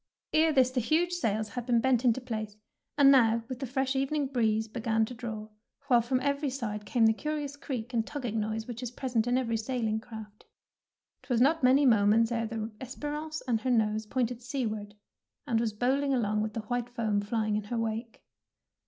Ere this the huge sails had been bent into place, and now with the fresh evening breeze began to draw, while from every side came the curious creak and tugging noise which is pres ent in every sailing craft. ^Twas not many moments ere the "Esperance^' had her nose pointed seaward, and was bowling along with the white foam fiying in her wake.